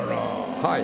はい。